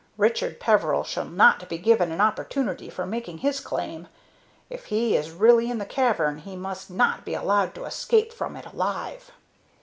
Richard Peveril shall not be given an opportunity for making his claim. If he is really in the cavern he must not be allowed to escape from it alive."